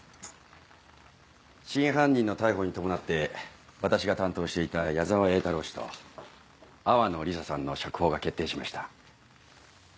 真犯人の逮捕に伴って私が担当していた矢澤栄太郎と淡野リサさんの釈放が決定しました。